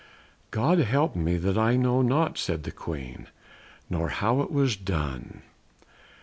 "God help me, that I know not," said the Queen, "nor how it was done."